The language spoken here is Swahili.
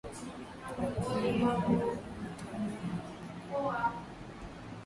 watakubaliana na uamuzi wao kujitoa kwenye makubaliano hayo